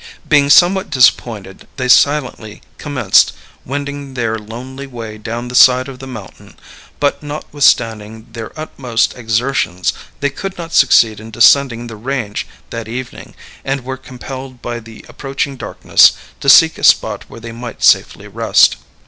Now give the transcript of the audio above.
Being somewhat disappointed, they silently commenced wending their lonely way down the side of the mountain; but, notwithstanding their utmost exertions, they could not succeed in descending the range that evening, and were compelled by the approaching darkness to seek a spot where they might safely rest.